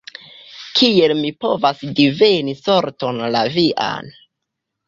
Kiel mi povas diveni sorton la vian?